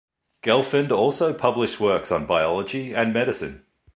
Gelfand also published works on biology and medicine.